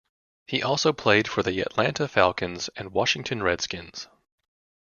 He also played for the Atlanta Falcons and Washington Redskins.